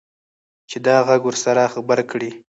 چې دا غږ ورسره غبرګ کړي.